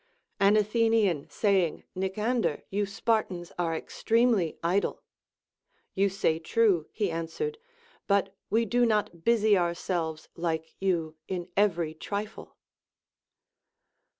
An Athe nian saying, Nicander, you Spartans are extremely idle ; You say true, he answered, but we do not busy ourselves like you in every trifle.